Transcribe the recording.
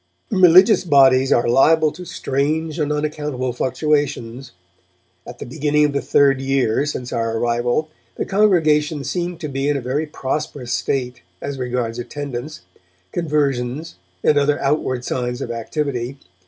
Religious bodies are liable to strange and unaccountable fluctuations. At the beginning of the third year since our arrival, the congregation seemed to be in a very prosperous state, as regards attendance, conversions and other outward signs of activity.